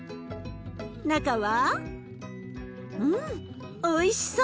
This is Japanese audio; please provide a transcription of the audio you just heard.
中はうんおいしそう！